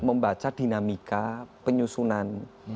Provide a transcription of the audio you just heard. membaca dinamika penyusunan